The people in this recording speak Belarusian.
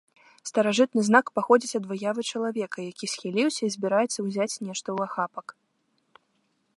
Старажытны знак паходзіць ад выявы чалавека, які схіліўся і збіраецца ўзяць нешта ў ахапак.